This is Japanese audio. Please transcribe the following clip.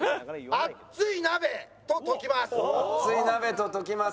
熱い鍋と解きます。